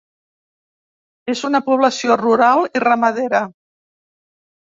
És una població rural i ramadera.